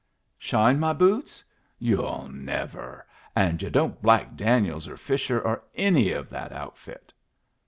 "Shine my boots? Yu'll never! And yu' don't black Daniels or Fisher, or any of the outfit."